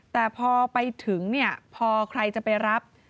แต่พอไปถึงพอใครจะไปรับ